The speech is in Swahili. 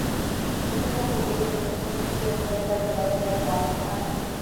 Utumbo kugeuka mwekundu pia vidonda hivyo vinaweza kuonekana